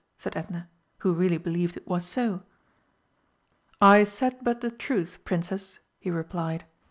said Edna, who really believed it was so. "I said but the truth, Princess," he replied.